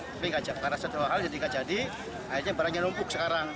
tapi enggak jadi karena satu hal jadi enggak jadi akhirnya barangnya numpuk sekarang